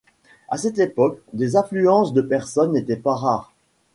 À cette époque des affluences de personnes n'étaient pas rares.